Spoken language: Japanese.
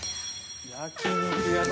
「焼肉屋の」。